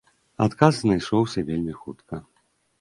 Адказ знайшоўся вельмі хутка.